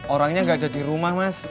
orangnya nggak ada di rumah mas